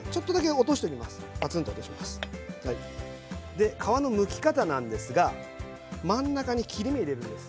で皮のむき方なんですが真ん中に切れ目入れるんです。